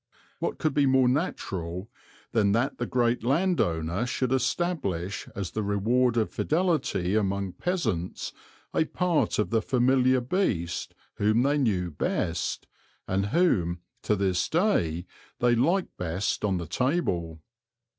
What could be more natural than that the great landowner should establish as the reward of fidelity among peasants a part of the familiar beast whom they knew best, and whom, to this day, they like best on the table.